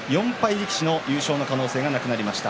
力士の優勝の可能性はなくなりました。